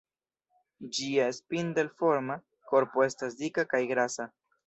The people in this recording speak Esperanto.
Ĝia spindel-forma korpo estas dika kaj grasa.